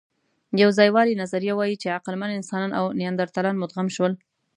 د یوځایوالي نظریه وايي، چې عقلمن انسانان او نیاندرتالان مدغم شول.